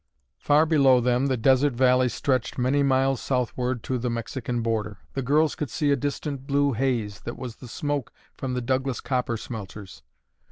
Far below them the desert valley stretched many miles southward to the Mexican border. The girls could see a distant blue haze that was the smoke from the Douglas copper smelters.